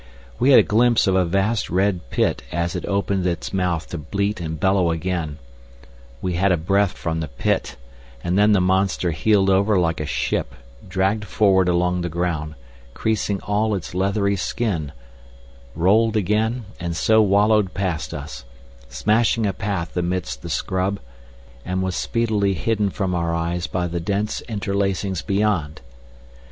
We had a glimpse of a vast red pit as it opened its mouth to bleat and bellow again; we had a breath from the pit, and then the monster heeled over like a ship, dragged forward along the ground, creasing all its leathery skin, rolled again, and so wallowed past us, smashing a path amidst the scrub, and was speedily hidden from our eyes by the dense interlacings beyond.